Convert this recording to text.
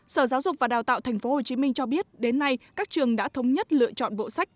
sở giáo dục và đào tạo tp hcm cho biết đến nay các trường đã thống nhất lựa chọn bộ sách